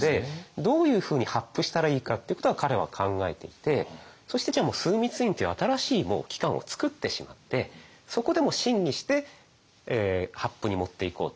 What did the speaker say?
どういうふうに発布したらいいかっていうことを彼は考えていてそしてじゃあもう枢密院っていう新しい機関をつくってしまってそこでも審議して発布に持っていこうと。